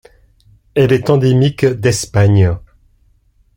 Elle est endémique d'Espagne.